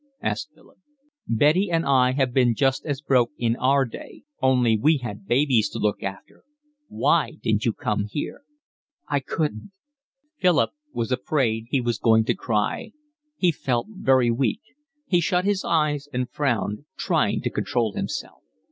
asked Philip. "Betty and I have been just as broke in our day, only we had babies to look after. Why didn't you come here?" "I couldn't." Philip was afraid he was going to cry. He felt very weak. He shut his eyes and frowned, trying to control himself.